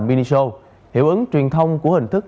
mini show hiệu ứng truyền thông của hình thức